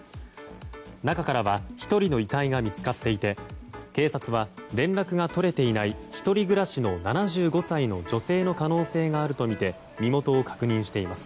中からは１人の遺体が見つかっていて警察は連絡が取れていない１人暮らしの７５歳の女性の可能性があるとみて身元を確認しています。